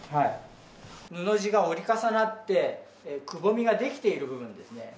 布地が折り重なってくぼみが出来ている部分ですね。